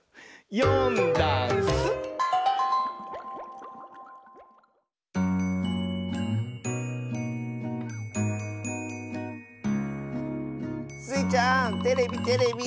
「よんだんす」スイちゃんテレビテレビ！